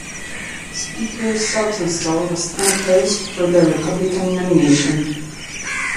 Speaker Saltonstall was unopposed for the Republican nomination.